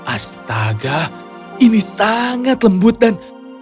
astaga ini sangat lembut dan